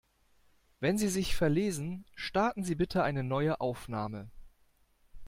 Wenn Sie sich verlesen, starten Sie bitte eine neue Aufnahme.